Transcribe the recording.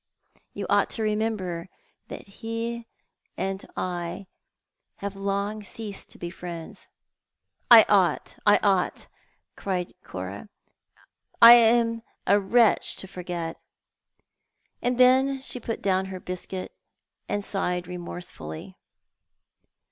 You A Letter from the Dead. "9 ought to remember that he and I have long ceased to bo friends." " I ought ! I ought !" cried Cora. " I am a wretch to forget," nnd then she put down her biscuit and sighed remorsefully.